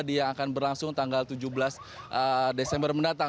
yang akan berlangsung tanggal tujuh belas desember mendatang